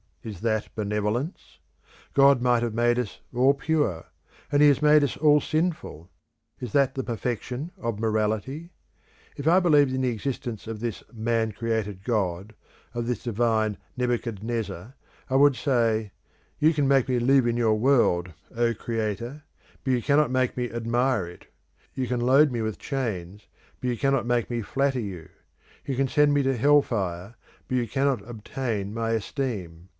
Is that benevolence? God might have made us all pure, and he has made us all sinful. Is that the perfection of morality? If I believed in the existence of this man created God, of this divine Nebuchadnezzar, I would say, "You can make me live in your world, O Creator, but you cannot make me admire it; you can load me with chains, but you cannot make me flatter you; you can send me to hell fire, but you can not obtain my esteem.